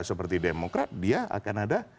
seperti demokrat dia akan ada